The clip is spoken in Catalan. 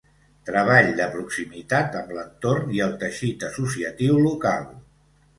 Treball de proximitat amb l'entorn i el teixit associatiu local.